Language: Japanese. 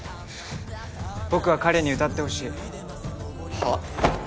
僕は彼に歌ってほしい。は？